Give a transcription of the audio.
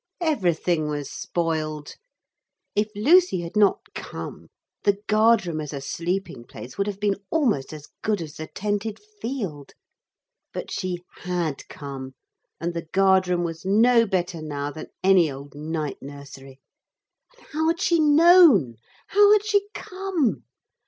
Everything was spoiled. If Lucy had not come the guard room as a sleeping place would have been almost as good as the tented field. But she had come, and the guard room was no better now than any old night nursery. And how had she known? How had she come?